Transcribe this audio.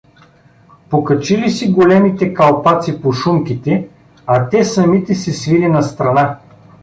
Покачили си големите калпаци по шумките, а те самите се свили настрана.